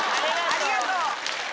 ありがとう。